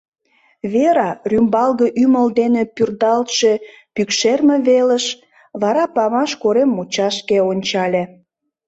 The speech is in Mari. Вера рӱмбалге ӱмыл дене пӱрдалтше пӱкшерме велыш, вара памаш корем мучашке ончале.